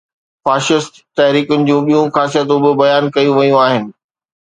Fascist تحريڪن جون ٻيون خاصيتون به بيان ڪيون ويون آهن.